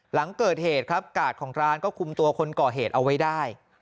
หลังเกิดเหตุครับกาดของร้านก็คุมตัวคนก่อเหตุเอาไว้ได้